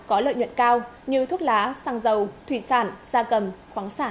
có lợi nhuận cao như thuốc lá xăng dầu thủy sản xa cầm khoáng sản